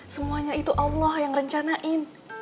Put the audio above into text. semuanya itu allah yang rencanain